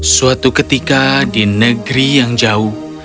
suatu ketika di negeri yang jauh